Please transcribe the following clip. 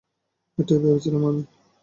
এটাই ভেবেছিলাম আমি।